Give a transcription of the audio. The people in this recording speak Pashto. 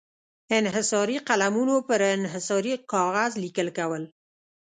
انحصاري قلمونو پر انحصاري کاغذ لیکل کول.